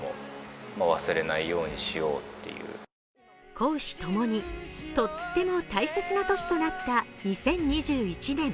公私ともにとっても大切な年となった２０２１年。